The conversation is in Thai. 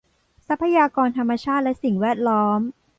ทรัพยากรธรรมชาติและสิ่งแวดล้อม